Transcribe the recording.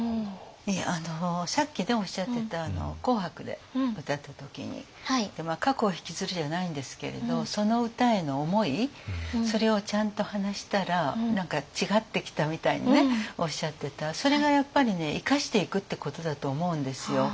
さっきおっしゃってた「紅白」で歌った時に過去をひきずるじゃないんですけれどその歌への思いそれをちゃんと話したら違ってきたみたいにおっしゃってたそれがやっぱりね生かしていくってことだと思うんですよ。